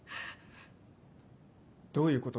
どういうこと？